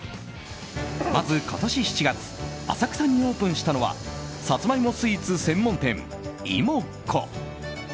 まず今年７月浅草にオープンしたのはさつまいもスイーツ専門店芋こ。